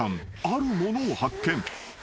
あるものを発見］